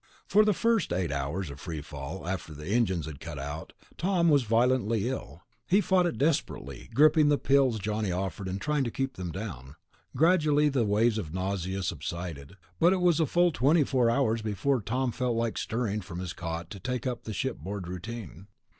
For the first eight hours of free fall, after the engines had cut out, Tom was violently ill. He fought it desperately, gulping the pills Johnny offered and trying to keep them down. Gradually the waves of nausea subsided, but it was a full twenty four hours before Tom felt like stirring from his cot to take up the shipboard routine.